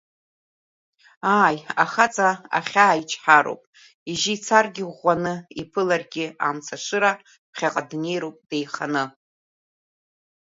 Ааи, ахаҵа ахьаа ичҳароуп, ижьы ицаргьы иӷәӷәаны, иԥыларгьы амцашыра, ԥхьаҟа днеироуп деиханы.